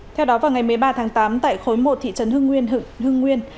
theo đó vào ngày một mươi ba tháng tám tại khối một thị trấn hưng nguyên